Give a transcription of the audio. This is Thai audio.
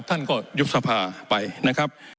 ท่านก็ยุบสภาไปนะครับ